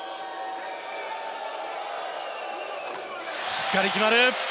しっかり決まる。